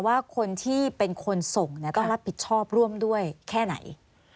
ว่าคนที่เป็นคนส่งต้องรับผิดชอบร่วมด้วยแค่ไหน